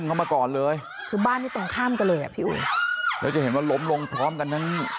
เข้ามาก่อนเลยคือบ้านนี้ตรงข้ามกันเลยอ่ะพี่อุ๋ยแล้วจะเห็นว่าล้มลงพร้อมกันทั้ง